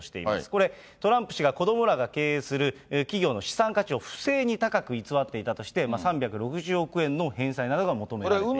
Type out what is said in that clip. これ、トランプ氏と子どもらが経営する企業の資産価値を不正に高く偽っていたとして、３６０億円の返済などが求められています。